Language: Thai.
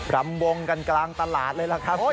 รำวงกันกลางตลาดเลยล่ะครับ